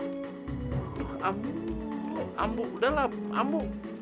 duh ambu ambu udahlah ambu